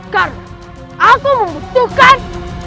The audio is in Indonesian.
karena aku membutuhkan